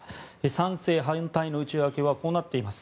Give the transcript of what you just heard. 賛成、反対の内訳はこうなっています。